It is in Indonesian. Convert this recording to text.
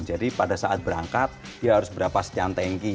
jadi pada saat berangkat dia harus berapa sekian tanki